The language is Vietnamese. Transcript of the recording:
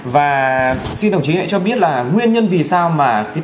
và xin đồng chí hãy cho biết là nguyên nhân vì sao mà cái tình trạng trầm cây này là thế này